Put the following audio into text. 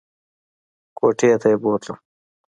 کوټې ته یې بوتلم !